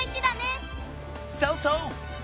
そうそう！